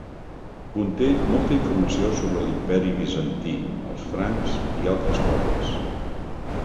Conté molta informació sobre l'Imperi Bizantí, els francs i altre pobles.